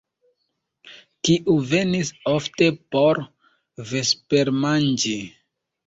Kiu venis ofte por vespermanĝi?